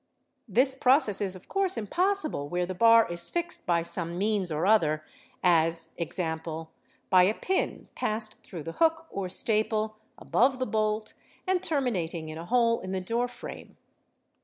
This process is of course impossible where the bar is fixed by some means or other, as, e.g,, by a pin passed through the hook or staple, above the bolt, and terminating in a hole in the door frame.